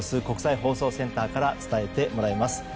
国際放送センターから伝えてもらいます。